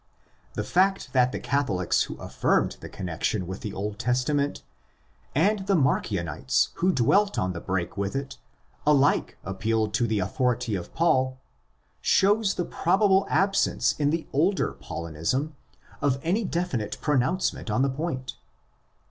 The fact that the Catholics who affirmed the connexion with the Old Testament and the Marcionites who dwelt on the break with it alike appealed to the authority of Paul, shows the probable absence in the older Paulinism of any definite pro nouncement on the point.